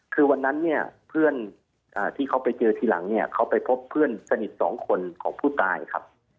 คือวันนั้นเนี่ยเพื่อนที่เขาไปเจอทีหลังเนี่ยเขาไปพบเพื่อนสนิทสองคนของผู้ตายครับ